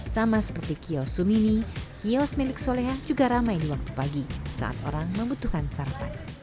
sama seperti kios sumini kios milik soleha juga ramai di waktu pagi saat orang membutuhkan sarapan